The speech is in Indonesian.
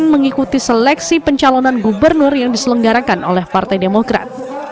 mengikuti seleksi pencalonan gubernur yang diselenggarakan oleh partai demokrat